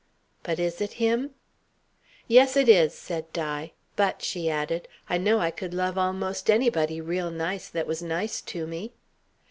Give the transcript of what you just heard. "But is it him?" "Yes, it is," said Di. "But," she added, "I know I could love almost anybody real nice that was nice to me."